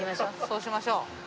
そうしましょう。